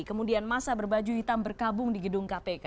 kemudian masa berbaju hitam berkabung di gedung kpk